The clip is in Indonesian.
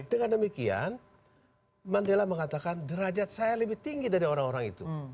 dengan demikian mandela mengatakan derajat saya lebih tinggi dari orang orang itu